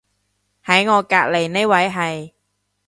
喺我隔離呢位係